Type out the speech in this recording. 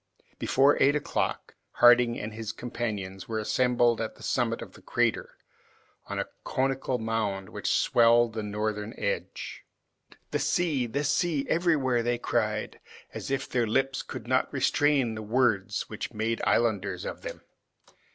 Before eight o'clock Harding and his companions were assembled at the summit of the crater, on a conical mound which swelled the northern edge. "The sea, the sea everywhere!" they cried, as if their lips could not restrain the words which made islanders of them.